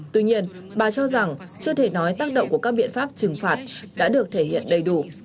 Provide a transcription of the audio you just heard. tuy nhiên bà cho rằng chưa thể nói tác động của các biện pháp trừng phạt đã được thể hiện đầy đủ